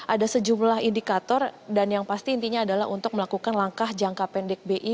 ada sejumlah indikator dan yang pasti intinya adalah untuk melakukan langkah jangka pendek bi